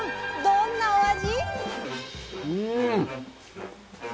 どんなお味？